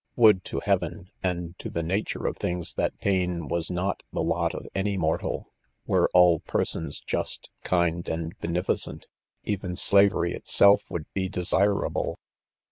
Would to heaven and to the nature of things that pain was not the lot of any mortal! — were all persons just, kind and beneficent, even slavery itself would lie desira ble.